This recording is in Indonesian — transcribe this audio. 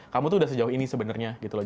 kamu tuh udah sejauh ini sebenarnya gitu loh